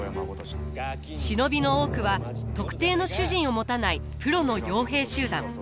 忍びの多くは特定の主人を持たないプロの傭兵集団。